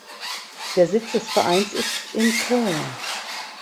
Der Sitz des Vereins ist in Köln.